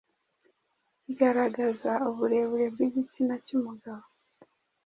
kigaragaza uburebure bw’igitsina cy’umugabo